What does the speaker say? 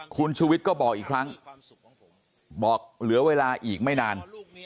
คุณชุวิตก็บอกอีกครั้งบอกเหลือเวลาอีกไม่นาน